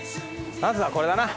まずはこれだな。